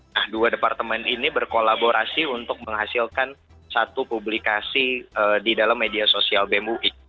nah dua departemen ini berkolaborasi untuk menghasilkan satu publikasi di dalam media sosial bemui